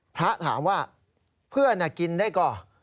พระถามว่าเพื่อนกินได้ก็